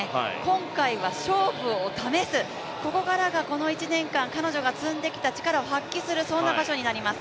今回は勝負を試す、ここからがこの１年間、彼女が積んできた力を発揮する、そんな場所になります。